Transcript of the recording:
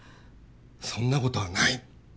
そんな事はない。